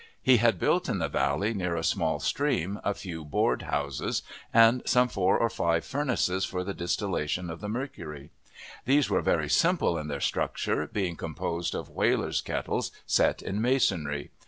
He had built in the valley, near a small stream, a few board houses, and some four or five furnaces for the distillation of the mercury. These were very simple in their structure, being composed of whalers' kettles, set in masonry.